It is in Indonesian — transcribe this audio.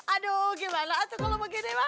aduh gimana tuh kalo begini mah